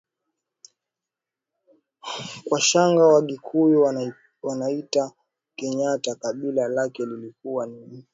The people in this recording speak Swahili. kwa shanga Wagikuyu wanauita Kenyata Kabila lake lilikuwa ni Mgikuyu Alisoma katika shule ya